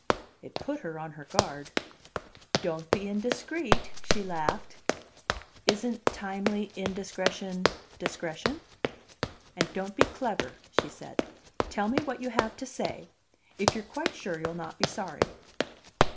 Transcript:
It put her on her guard. "Don't be indiscreet," she laughed. "Isn't timely indiscretion discretion?" "And don't be clever," she said. "Tell me what you have to say if you're quite sure you'll not be sorry."